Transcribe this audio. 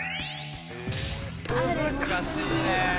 難しいね。